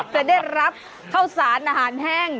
จะได้รับข้าวสารอาหารแห้ง